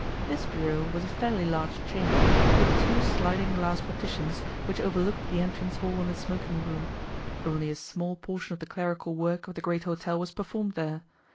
This bureau was a fairly large chamber, with two sliding glass partitions which overlooked the entrance hall and the smoking room. Only a small portion of the clerical work of the great hotel was performed there.